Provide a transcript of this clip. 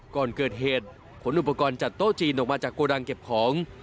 คนอุปกรณ์จัดโต๊ะจีนออกมาจากโกดังเก็บของ